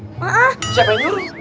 siapa yang nyuruh